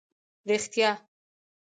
رښتیا.